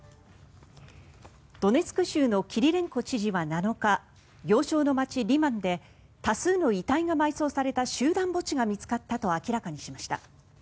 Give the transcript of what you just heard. ドネツク州のキリレンコ知事は７日要衝の街リマンで多数の遺体が埋葬された集団墓地が見つかったと明らかにしました。